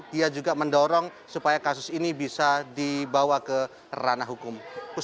dia juga mendorong supaya kasus ini bisa dibawa ke ranah hukum